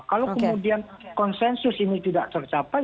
kalau kemudian konsensus ini tidak tercapai